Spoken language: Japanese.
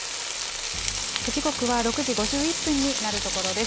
時刻は６時５１分になるところです。